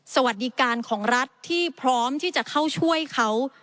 สวัสดีการของรัฐที่พร้อมที่จะเข้าช่วยเขา